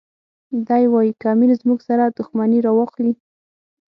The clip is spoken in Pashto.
دی وایي که امیر زموږ سره دښمني راواخلي.